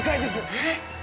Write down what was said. えっ？